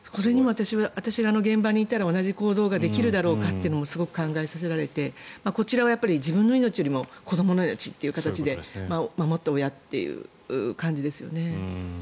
私が現場にいたら同じ行動ができるだろうかともすごく考えさせられてこちらは自分の命よりも子どもの命という形で守った親という感じですよね。